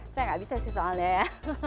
saya nggak bisa sih soalnya ya